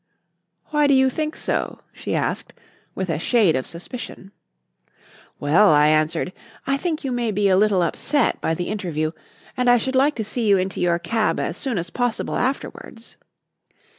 "Why do you think so?" she asked, with a shade of suspicion. "Well," I answered, "I think you may be a little upset by the interview, and I should like to see you into your cab as soon as possible afterwards."